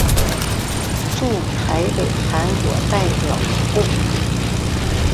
驻台北韩国代表部。